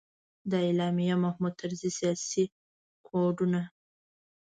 د علامه محمود طرزي سیاسي کوډونه.